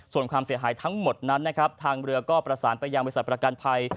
ส่วนความเสียหายทั้งหมดนั้นนะครับทางเรือก็ประสานไปยังบริษัทประกันภัย